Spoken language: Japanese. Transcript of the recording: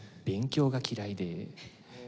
勉強が嫌いで。